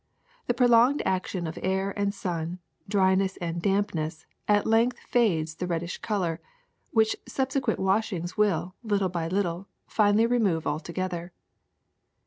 The prolonged action of air and sun, dryness and dampness, at length fades the red dish color, which subsequent washings will, little by little, finally remove altogether.